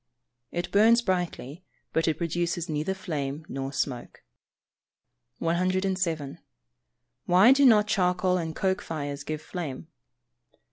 _ It burns brightly, but it produces neither flame nor smoke. 107. _Why do not charcoal and coke fires give flame?